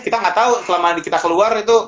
kita gak tau selama kita keluar itu